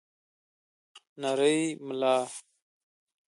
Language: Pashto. نرۍ ملا